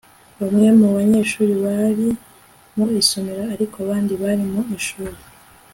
bamwe mu banyeshuri bari mu isomero, ariko abandi bari mu ishuri